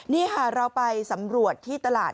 นี่ค่ะเราไปสำรวจที่ตลาด